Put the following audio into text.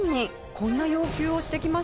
こんな要求をしてきました。